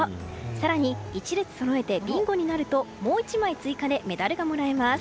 更に１列そろえてビンゴになるともう１枚追加でメダルがもらえます。